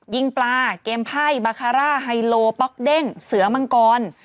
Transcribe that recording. ยิงปลาเกมไพ่บาคาร่าไฮโลป๊อกเด้งเสือมังกร